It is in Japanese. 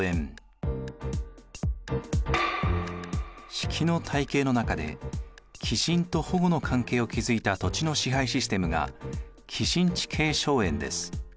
職の体系の中で寄進と保護の関係を築いた土地の支配システムが寄進地系荘園です。